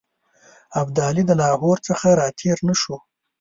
ابدالي د لاهور څخه را تېر نه شو.